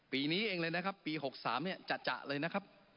ปีนี้เองเลยนะครับปี๖๓จะเลยนะครับ